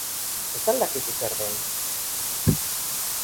Ez al dakizu zer den?